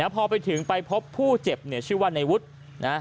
พอไปถึงไปพบผู้เจ็บเนี่ยชื่อว่าในวุฒินะ